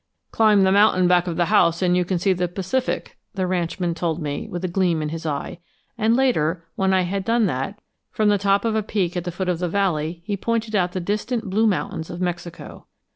"CLIMB the mountain back of the house and you can see the Pacific," the ranchman told me with a gleam in his eye; and later, when I had done that, from the top of a peak at the foot of the valley he pointed out the distant blue mountains of Mexico.